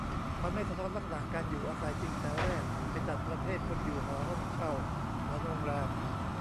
มันไม่สะท้อนลักษณะการอยู่อาศัยจริงแต่แรก ไปจัดประเภทคนอยู่หอ ห้องเช่า เหมือนโรงแรม